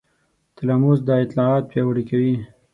تلاموس دا اطلاعات پیاوړي کوي.